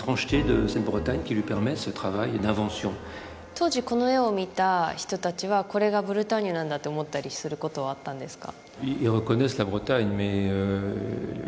当時この絵を見た人たちはこれがブルターニュなんだって思ったりすることはあったんですか？